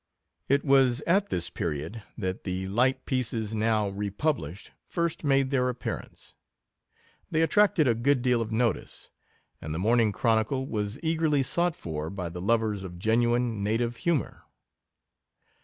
It was at this period, that the light pieces now republished, first made their appearance. They attracted a good deal of notice, and the Morning Chronicle was eagerly sought for by the lovers of genuine native humour.